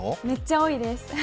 めっちゃ多いです。